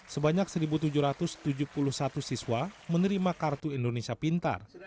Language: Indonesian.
sebanyak satu tujuh ratus tujuh puluh satu siswa menerima kartu indonesia pintar